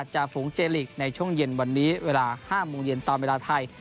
ฝูงเจลีกในช่วงเย็นวันนี้เวลา๕โมงเย็นตามเวลาไทย